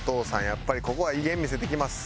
やっぱりここは威厳見せてきます。